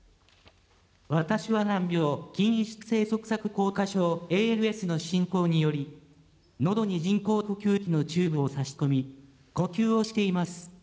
私は難病、筋萎縮性側索硬化症・ＡＬＳの進行により、のどに人工呼吸器のチューブを差し込み、呼吸をしています。